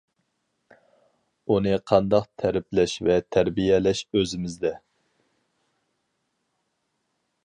ئۇنى قانداق تەرىپلەش ۋە تەربىيەلەش ئۆزىمىزدە.